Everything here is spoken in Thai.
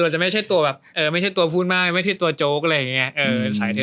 เราจะไม่ใช่ตัวพูดมากไม่ใช่ตัวโจกสายเท่